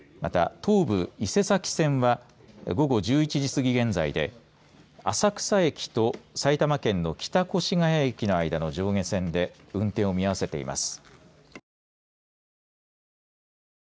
東武伊勢崎線は１１時過ぎ現在で浅草駅と埼玉県の北越谷駅の間の上下線で運転を見合わせています。